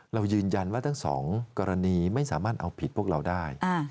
เรายืนยันว่าทั้งสองกรณีไม่สามารถเอาผิดพวกเราได้